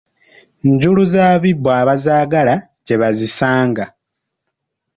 Njulu z’abibbo abazaagala gye bazisanga.